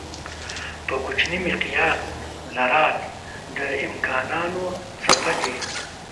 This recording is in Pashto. په کوچني مقیاس ذرات د امکانانو څپه دي.